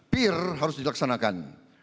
peer harus dilaksanakan